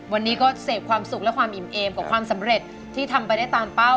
วันนี้ก็เสพความสุขและความอิ่มเอมกับความสำเร็จที่ทำไปได้ตามเป้า